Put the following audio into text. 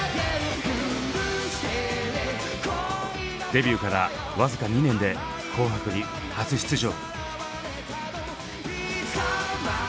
デビューから僅か２年で「紅白」に初出場。